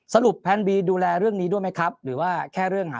แพนบีดูแลเรื่องนี้ด้วยไหมครับหรือว่าแค่เรื่องหา